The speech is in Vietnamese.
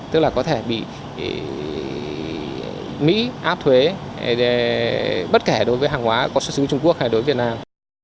tức là có thể bị mỹ áp thuế bất kể đối với hàng hóa có xuất xứ trung quốc hay đối với việt nam